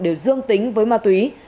đều dương tính với ma túy